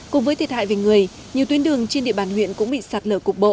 cùng với thiệt hại về người nhiều tuyến đường trên địa bàn huyện cũng bị sạt lở cục bộ